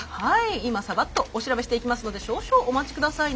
今サバっとお調べしていきますので少々お待ち下さいね。